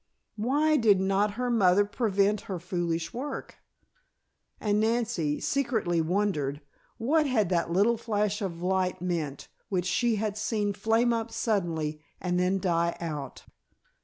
Why did not her mother prevent her foolish work? And, Nancy secretly wondered, what had that little flash of light meant which she had seen flame up suddenly and then die out?